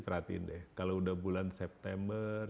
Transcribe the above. perhatiin deh kalau udah bulan september